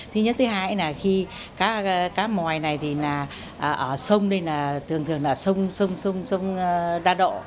thứ nhất thứ hai là khi cá mòi này thì là ở sông này là thường thường là sông sông đa độ